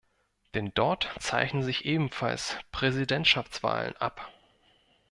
Denn dort zeichnen sich ebenfalls Präsidentschaftswahlen ab.